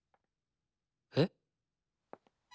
えっ？